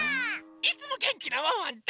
いつもげんきなワンワンと！